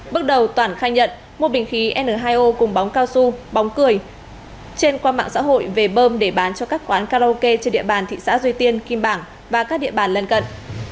bước đầu toản khai nhận một bình khí n hai o cùng bóng cao su bóng cười trên qua mạng xã hội về bơm để bán cho các quán karaoke trên địa bàn thị xã duy tiên kim bảng và các địa bàn lân cận